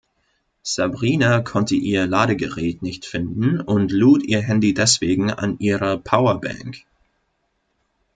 Sabrina konnte ihr Ladegerät nicht finden und lud ihr Handy deswegen an ihrer Powerbank.